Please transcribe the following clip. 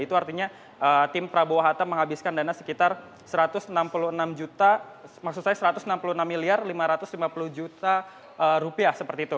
itu artinya tim prabowo hatta menghabiskan dana sekitar rp satu ratus enam puluh enam lima ratus lima puluh